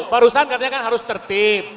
barusan katanya kan harus tertib